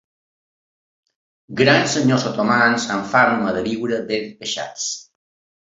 Grans senyors otomans amb fama de viure ben peixats.